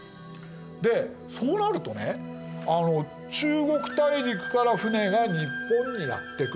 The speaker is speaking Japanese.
でそうなるとね中国大陸から船が日本にやって来る。